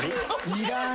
いらん。